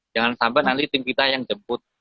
jangan sampai nanti tim kita yang jemput